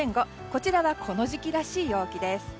こちらはこの時期らしい陽気です。